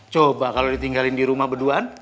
coba kalau ditinggalin di rumah berduaan